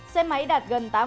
xe máy đạt gần tám bốn